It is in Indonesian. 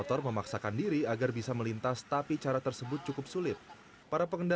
desa yang terisolir itu dinanggung saja ada